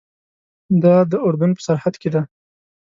دا د اردن په سرحد کې دی.